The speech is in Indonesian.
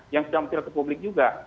yang sudah mentil ke publik juga